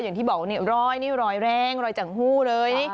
อย่างที่บอกว่านี่รอยนี่รอยแรงรอยจังหู้เลย